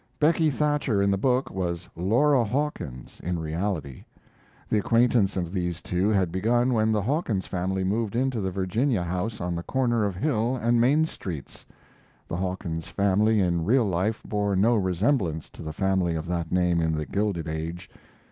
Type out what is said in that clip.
Becky Thatcher in the book was Laura Hawkins in reality. The acquaintance of these two had begun when the Hawkins family moved into the Virginia house on the corner of Hill and Main streets. [The Hawkins family in real life bore no resemblance to the family of that name in The Gilded Age.